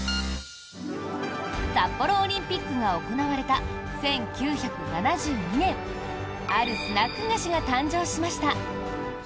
札幌オリンピックが行われた１９７２年あるスナック菓子が誕生しました。